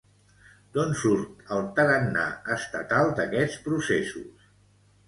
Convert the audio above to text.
D'on surt el tarannà estatal d'aquests processos?